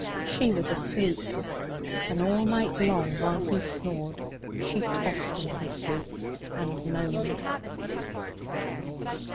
She was asleep; and all night long, while he snored, she tossed in her sleep and moaned.